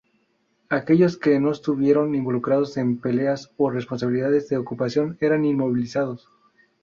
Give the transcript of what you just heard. Aquellos que no estuvieran involucrados en peleas o responsabilidades de ocupación eran inmovilizados.